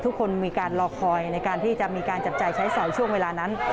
ทุกคนมีการรอคอยในการที่จะมีการจับจ่ายใช้สอยช่วงเวลานั้น